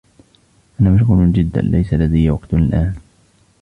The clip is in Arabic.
أنا مشغول جدا. ليس لدي وقت الآن.